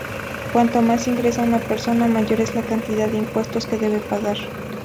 Cuanto más ingresa una persona, mayor es la cantidad de impuestos que debe pagar.